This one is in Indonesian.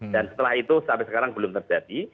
dan setelah itu sampai sekarang belum terjadi